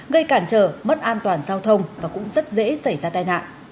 gây cản trở mất an toàn giao thông và cũng rất dễ xảy ra tai nạn